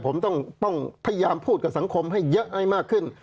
ผมต้องพยายามพูดกับสังคมให้เยอะให้มากขึ้น